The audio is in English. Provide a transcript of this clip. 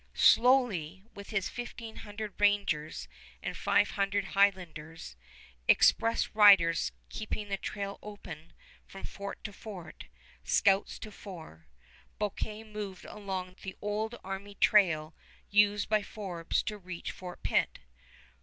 Slowly, with his fifteen hundred rangers and five hundred Highlanders, express riders keeping the trail open from fort to fort, scouts to fore, Bouquet moved along the old army trail used by Forbes to reach Fort Pitt.